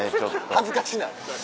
恥ずかしない？